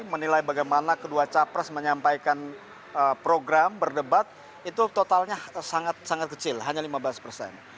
menilai bagaimana kedua capres menyampaikan program berdebat itu totalnya sangat sangat kecil hanya lima belas persen